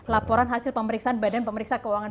laporan hasil pemeriksaan badan pemeriksa keuangan